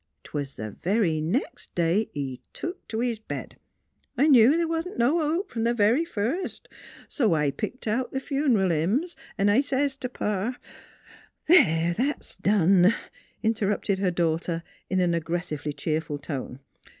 'Twas the very nex' day he took t' his bed. I knew th' wa'n't no hope f'om th' very first, so I picked out th' fun'ral hymns, an' I says t' Pa "" There, that's done !" interrupted her daugh ter in an aggressively cheerful tone.